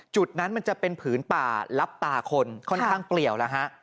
จุดนั้นมันจะเป็นผืนป่าลับตาคนค่อนข้างเปลี่ยวแล้วฮะ